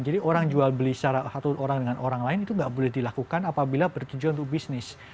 jadi orang jual beli secara satu orang dengan orang lain itu tidak boleh dilakukan apabila bertujuan untuk bisnis